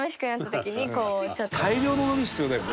大量ののり必要だよ。